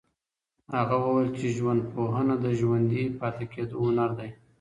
هغه وویل چي ژوندپوهنه د ژوندي پاته کيدو هنر دی.